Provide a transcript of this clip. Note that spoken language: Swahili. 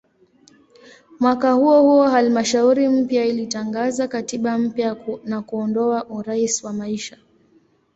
Mwaka huohuo halmashauri mpya ilitangaza katiba mpya na kuondoa "urais wa maisha".